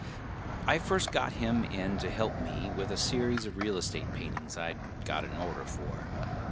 I first got him in to help me with a series of real estate paintings I'd got an order for.